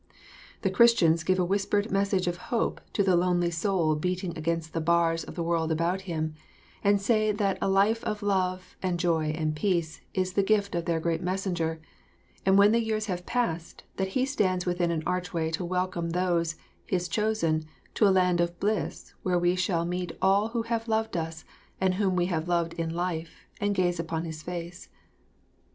The Christians give a whispered message of hope to the lonely soul beating against the bars of the world about him, and say that a life of love and joy and peace is the gift of their great Messenger, and when the years have passed that He stands within an archway to welcome those, His chosen, to a land of bliss where we shall meet all who have loved us and whom we have loved in life, and gaze upon His face.